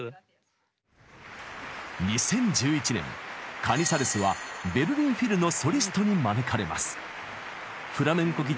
２０１１年カニサレスはベルリン・フィルのソリストに招かれます。